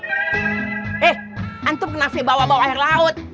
eh antum kenapa bawa bawa air laut